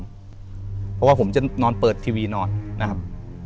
เพราะว่าผมจะนอนเปิดทีวีนอนนะครับ